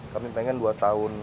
kami pengen dua tahun